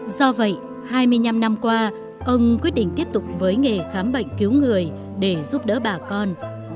do vậy hai mươi năm năm qua ông quyết định tiếp tục với nghề khám bệnh cứu người để giúp đỡ bà con